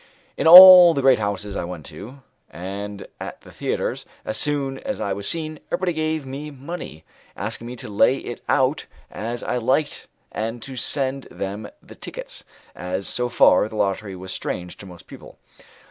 In all the great houses I went to, and at the theatres, as soon as I was seen, everybody gave me money, asking me to lay it out as I liked and to send them the tickets, as, so far, the lottery was strange to most people.